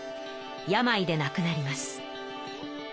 病でなくなります。